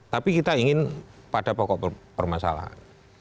tapi kita ingin pada pokok permasalahan